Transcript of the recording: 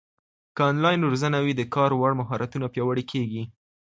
که انلاین روزنه وي، د کار وړ مهارتونه پیاوړي کېږي.